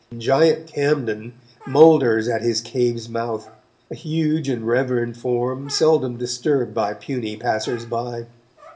Giant Camden moulders at his cave's mouth, a huge and reverend form seldom disturbed by puny passers by.